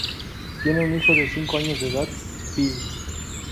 Tiene un hijo de cinco años de edad, Philip.